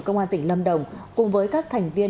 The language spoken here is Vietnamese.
công an tỉnh lâm đồng cùng với các thành viên